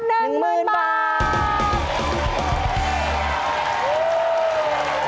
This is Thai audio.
๑หมื่นบาท